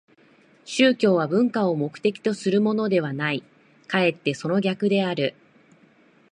宗教は文化を目的とするものではない、かえってその逆である。